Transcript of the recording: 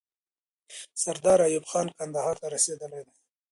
سردار ایوب خان کندهار ته رسیدلی دی.